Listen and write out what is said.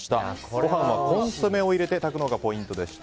ご飯はコンソメを入れて炊くのがポイントでした。